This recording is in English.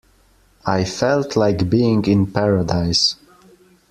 I felt like being in paradise.